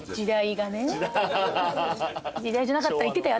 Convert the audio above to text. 時代じゃなかったらいってたよ